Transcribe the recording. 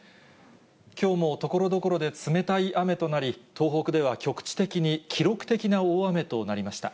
きょうもところどころで冷たい雨となり、東北では局地的に記録的な大雨となりました。